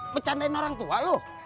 bercandain orang tua lu